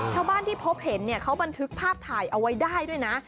ชาวบ้านที่พบเห็นเนี่ยเขาบันทึกภาพถ่ายเอาไว้ได้ด้วยนะ